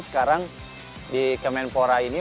sekarang di kemenpora ini